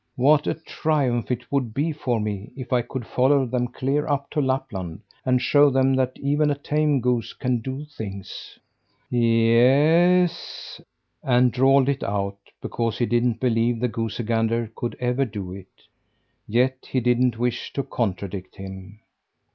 "What a triumph it would be for me if I could follow them clear up to Lapland, and show them that even a tame goose can do things!" "Y e e s," said the boy, and drawled it out because he didn't believe the goosey gander could ever do it; yet he didn't wish to contradict him.